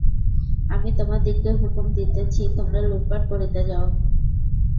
আমি তোমাদিগকে হুকুম দিতেছি তোমরা লুঠপাট করিতে যাও।